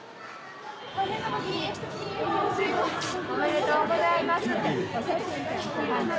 「おめでとうございます」って。